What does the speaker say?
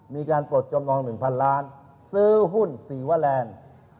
มีการปลดจำนองหนึ่งพันล้านซื้อหุ้นสีวะแลนด์